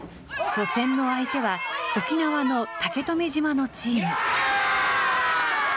初戦の相手は、沖縄の竹富島のチーム。